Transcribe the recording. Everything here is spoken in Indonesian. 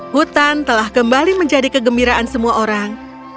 hutan telah kembali menjadi kegembiraan semua orang